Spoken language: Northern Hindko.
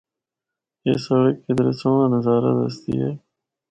اے سڑک کدرے سہنڑا نظارہ دسدی ہے۔